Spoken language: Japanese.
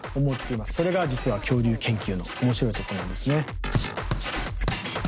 それが実は恐竜研究の面白いところなんですね。